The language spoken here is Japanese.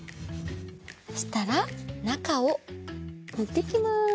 そしたらなかをぬっていきます！